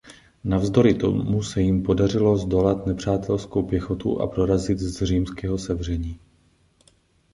Navzdory tomu se jim podařilo zdolat nepřátelskou pěchotu a prorazit z římského sevření.